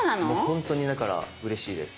本当にだからうれしいです。